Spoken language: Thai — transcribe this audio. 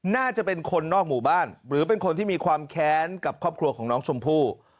น่าจะเป็นคนนอกหมู่บ้านหรือเป็นคนที่มีความแค้นกับครอบครัวของน้องชมพู่